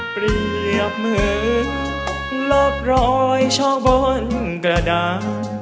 เปรียบเหมือนลบรอยช่อบนกระดาษ